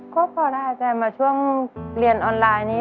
ก็พอได้อาจารย์มาช่วงเรียนออนไลน์นี้